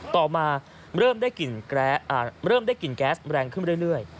ต่อมาเริ่มได้เริ่มได้กลิ่นแก๊สแรงขึ้นเรื่อย